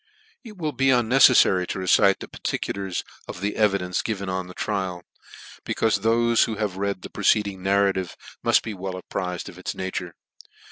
It will be unmcefTaiy to recite the particulars of the evidence given on the trial, becauie thofe who have read the preceding narrative mutt be well apprized of its nature.